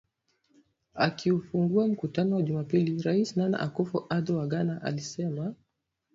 Akiufungua mkutano wa Jumapili Rais Nana Akufo Addo, wa Ghana amesema